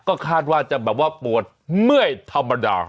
ก็คาดว่าจะแบบว่าปวดเมื่อยธรรมดา